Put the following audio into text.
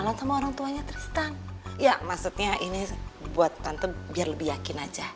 lah terus lu mau ke rumah raya lagi